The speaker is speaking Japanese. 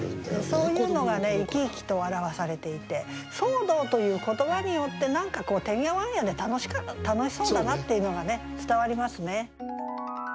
そういうのが生き生きと表されていて「騒動」という言葉によって何かてんやわんやで楽しそうだなっていうのが伝わりますね。